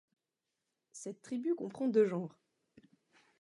Cette tribu comprend deux genres.